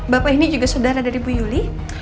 bapak ini juga saudara dari bu yuli